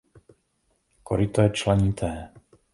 Koryto je členité.